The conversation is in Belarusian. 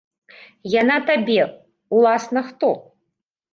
Яна табе, уласна, хто?